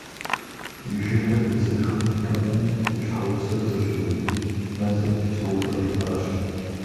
И жылэ дэсыж хъунутэкъыми, и щхьэгъусэр зыщӏигъури, мэзыр псэупӏэ ищӏащ.